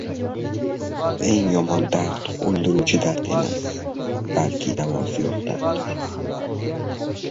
Eng yomon dard o‘ldiruvchi dard emas, balki davosi yo‘q darddir.